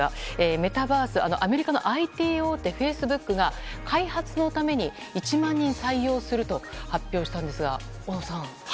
メタバースはアメリカのＩＴ大手フェイスブックが開発のために１万人採用すると発表したんですが、小野さん。